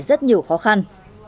rất nhiều khó khăn